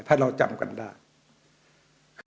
ถ้าเราจำกันได้